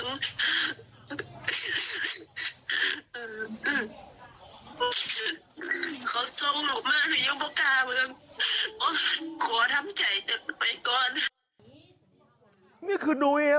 ขอบใจไปก่อนไม่คือดุเนี่ย